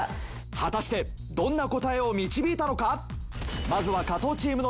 果たしてどんな答えを導いたのか？